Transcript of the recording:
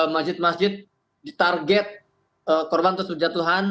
masjid masjid ditarget korban tersebut jatuhan